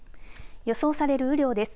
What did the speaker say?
予想される雨量です。